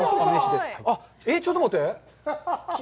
ちょっと待って。